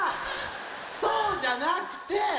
そうじゃなくて！